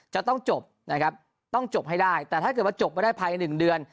จะต้องจบนะครับต้องจบให้ได้แต่ถ้าเกิดว่าจบมาได้ภายใน๑เดือน